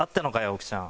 奥ちゃん。